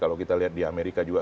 kalau kita lihat di amerika juga